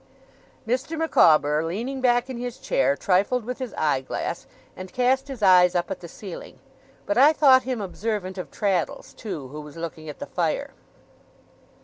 Mr. Micawber, leaning back in his chair, trifled with his eye glass and cast his eyes up at the ceiling; but I thought him observant of Traddles, too, who was looking at the fire.